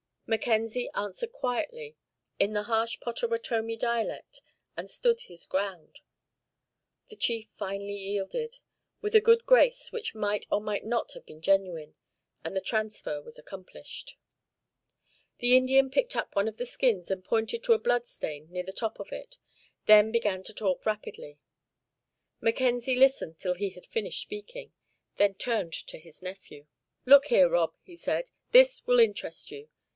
Mackenzie answered quietly, in the harsh Pottawattomie dialect, and stood his ground. The chief finally yielded, with a good grace which might or might not have been genuine, and the transfer was accomplished. The Indian picked up one of the skins and pointed to a blood stain near the top of it, then began to talk rapidly. Mackenzie listened till he had finished speaking, then turned to his nephew. "Look here, Rob," he said, "this will interest you.